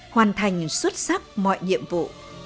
hoàn thành xuất sắc mọi nhiệm vụ